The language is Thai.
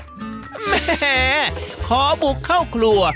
แหมขอบุกเข้าครัว